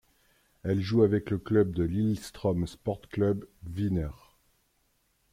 Elle joue avec le club de Lillestrøm Sportsklubb Kvinner.